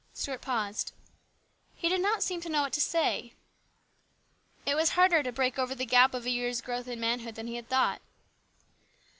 Stuart paused. He did not seem to know what to say. It was harder to break over the gap of a year's growth in manhood than he had thought.